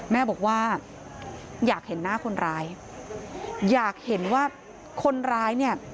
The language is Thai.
แม่บอกว่าอยากเห็นหน้าคนร้ายอยากเห็นว่าคนร้ายเนี่ย